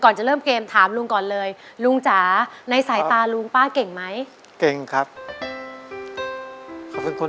จะเริ่มเกมถามลุงก่อนเลยลุงจ๋าในสายตาลุงป้าเก่งไหมเก่งครับ